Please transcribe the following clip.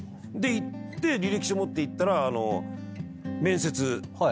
行って履歴書持って行ったら面接。